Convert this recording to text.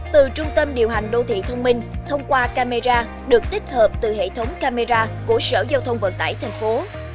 từ trung tâm điều hành đô thị thông minh thông qua camera được tích hợp từ hệ thống camera của sở giao thông vận tải thành phố